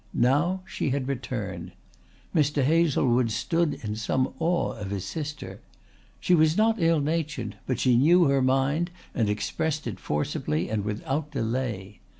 Now she had returned. Mr. Hazlewood stood in some awe of his sister. She was not ill natured, but she knew her mind and expressed it forcibly and without delay.